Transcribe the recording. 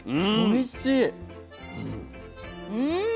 おいしい！